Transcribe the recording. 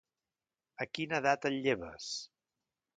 A quina edat et lleves?